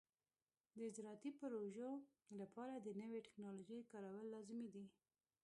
د زراعتي پروژو لپاره د نوې ټکنالوژۍ کارول لازمي دي.